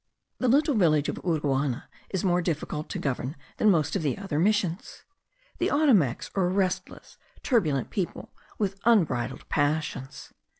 The little village of Uruana is more difficult to govern than most of the other missions. The Ottomacs are a restless, turbulent people, with unbridled passions.